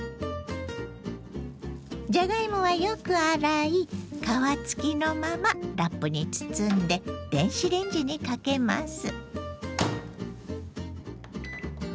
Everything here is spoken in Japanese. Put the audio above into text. じゃがいもはよく洗い皮付きのままラップに包んで電子レンジにかけます。